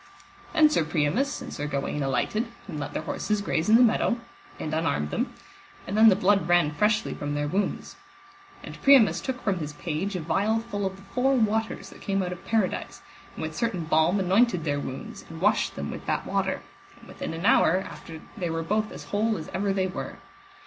Then Sir Priamus and Sir Gawaine alighted, and let their horses graze in the meadow, and unarmed them, and then the blood ran freshly from their wounds. And Priamus took from his page a vial full of the four waters that came out of Paradise, and with certain balm anointed their wounds, and washed them with that water, and within an hour after they were both as whole as ever they were.